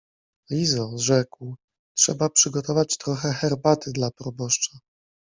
— Lizo — rzekł — trzeba przygotować trochę herbaty dla proboszcza…